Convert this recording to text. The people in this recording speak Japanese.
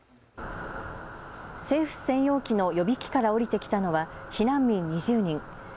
政府専用機の予備機から降りてきたのは避難民２０人。